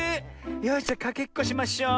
よしじゃかけっこしましょう。